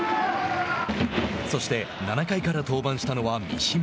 そして、７回から登板したのは三嶋。